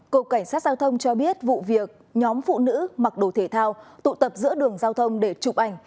cộng cảnh sát giao thông cho biết vụ việc nhóm phụ nữ mặc đồ thể thao tụ tập giữa đường giao thông để chụp ảnh